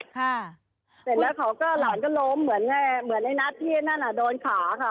เสร็จแล้วเขาก็หลานก็ล้มเหมือนไงเหมือนในนัทที่นั่นอ่ะโดนขาค่ะ